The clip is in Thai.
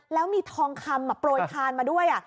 แล้วมีทองคำโปรยทานมาด้วย